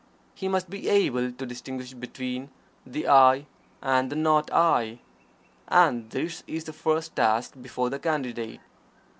He must be able to distinguish between the "I" and the "Not I." And this is the first task before the Candidate.